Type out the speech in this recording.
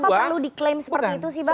tapi kenapa perlu diklaim seperti itu sih pak